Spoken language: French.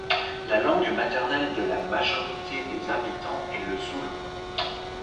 La langue maternelle de la majorité des habitants est le zoulou.